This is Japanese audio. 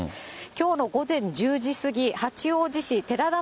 きょうの午前１０時過ぎ、八王子市てらだ